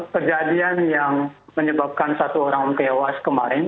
kejadian yang menyebabkan satu orang tewas kemarin